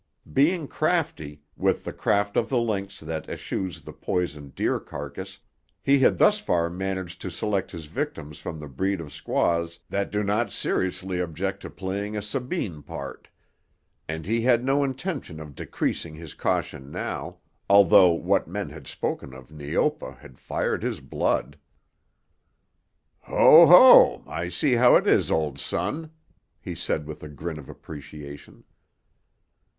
Being crafty, with the craft of the lynx that eschews the poisoned deer carcass, he had thus far managed to select his victims from the breed of squaws that do not seriously object to playing a Sabine part; and he had no intention of decreasing his caution now, although what men had spoken of Neopa had fired his blood. "Ho, ho! I see how 'tis, old son," he said with a grin of appreciation.